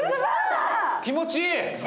気持ちいい！